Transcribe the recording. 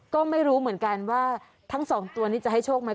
โถไม่รู้เหมือนกันว่าทั้ง๒ตัวจะให้โชคกันไหม